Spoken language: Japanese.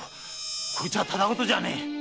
こいつはただごとじゃねえ。